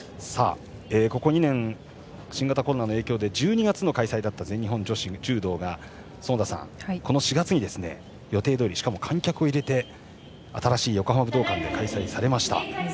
ここ２年、新型コロナの影響で１２月の開催だった全日本女子柔道が園田さん、この４月に予定どおりしかも観客を入れて新しい横浜武道館で開催されました。